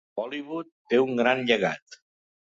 Bollywood té un gran llegat.